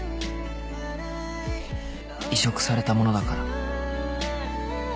［移植されたものだから］